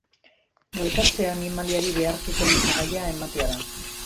Galkatzea animaliari behartuta elikagaia ematea da.